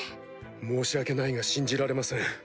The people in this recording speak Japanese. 申し訳ないが信じられません